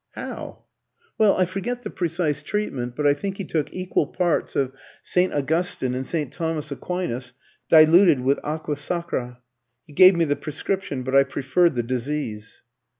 "How?" "Well, I forget the precise treatment, but I think he took equal parts of St. Augustine and St. Thomas Aquinas, diluted with aqua sacra. He gave me the prescription, but I preferred the disease."